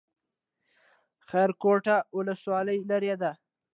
خیرکوټ ولسوالۍ لیرې ده؟